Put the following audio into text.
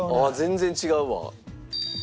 全然違うわ。